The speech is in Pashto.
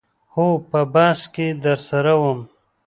هو په بس کې درسره وم.